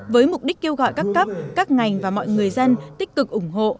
với mục đích kêu gọi các cấp các ngành và mọi người dân tích cực ủng hộ